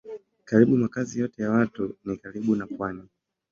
Karibu makazi yote ya watu ni karibu na pwani.